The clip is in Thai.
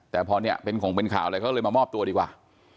แต่พอนี้เป็นขงเป็นข่าวเลยเค้าเลยมามอบตัวดีกว่า